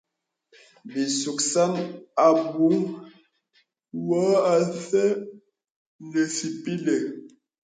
Bì suksan àbùù wɔ asə̀ nə sìpìnə.